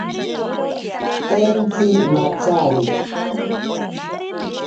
Entsi matsari.